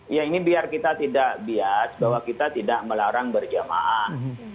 ya ini biar kita tidak bias bahwa kita tidak melarang berjamaah